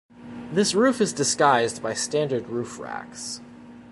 This roof is disguised by standard roof racks.